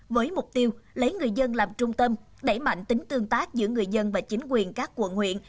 với mục tiêu lấy người dân làm trung tâm đẩy mạnh tính tương tác giữa người dân và chính quyền các quận huyện